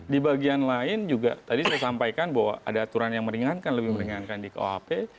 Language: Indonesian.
di bagian lain juga tadi saya sampaikan bahwa ada aturan yang meringankan lebih meringankan di kuhp